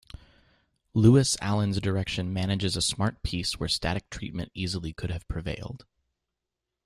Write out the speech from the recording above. Lewis Allen's direction manages a smart piece where static treatment easily could have prevailed.